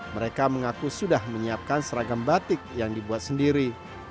mereka mengaku sudah menyiapkan seragam batik yang dibuat sendiri